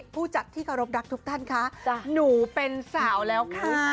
ผู้จัดที่เคารพรักทุกท่านคะหนูเป็นสาวแล้วค่ะ